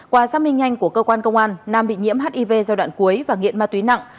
qua xác minh nhanh của cơ quan công an nam bị nhiễm hiv giai đoạn cuối và nghiện ma túy nặng